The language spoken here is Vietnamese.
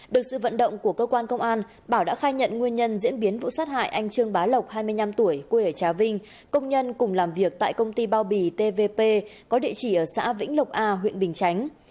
được sự vận động của cơ quan công an bảo đã khai nhận nguyên nhân diễn biến vụ sát hại anh trương bá lộc hai mươi năm tuổi quê ở trà vinh công nhân cùng làm việc tại công ty bao bì tvp có địa chỉ ở xã vĩnh lộc a huyện bình chánh